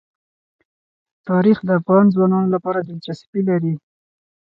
تاریخ د افغان ځوانانو لپاره دلچسپي لري.